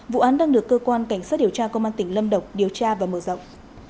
vụ án đang được cơ quan cảnh sát điều tra công an tỉnh lâm đồng điều tra và mở rộng